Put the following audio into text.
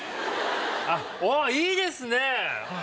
おっいいですね！